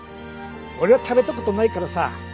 俺食べたことないからさ。